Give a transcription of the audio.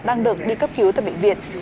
đang được đi cấp cứu tại bệnh viện